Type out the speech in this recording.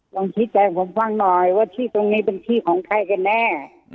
ลองชี้แจงผมฟังหน่อยว่าที่ตรงนี้เป็นที่ของใครกันแน่